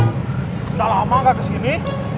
enggak lama nggak ke sini